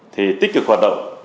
thì tích cực hoạt động